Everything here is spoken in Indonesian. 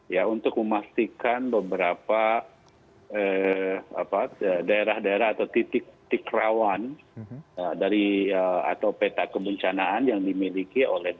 ya untuk memastikan beberapa daerah daerah atau titik titik rawan atau peta kebencanaan yang dimiliki oleh daerah